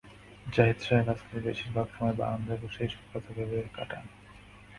জাহিদ সাহেব আজকাল বেশির ভাগ সময়ই বারান্দায় বসে এইসব কথা ভেবে ভেবে কাটান।